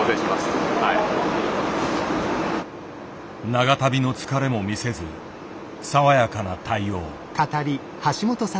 長旅の疲れも見せず爽やかな対応。